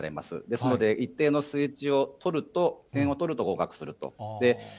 ですので、一定の数値を取ると、点を取ると合格すると。